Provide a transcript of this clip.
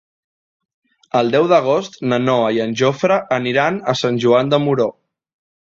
El deu d'agost na Noa i en Jofre aniran a Sant Joan de Moró.